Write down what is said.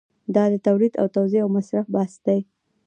دا د تولید او توزیع او مصرف بحث دی.